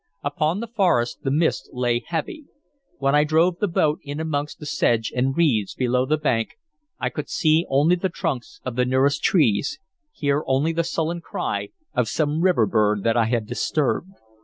Upon the forest the mist lay heavy. When I drove the boat in amongst the sedge and reeds below the bank, I could see only the trunks of the nearest trees, hear only the sullen cry of some river bird that I had disturbed.